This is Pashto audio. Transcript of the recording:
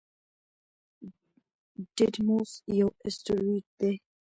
ډیډیموس یو اسټروېډ دی.